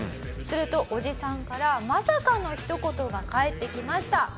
するとおじさんからまさかの一言が返ってきました。